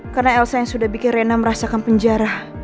karena elsa yang sudah bikin rena merasakan penjara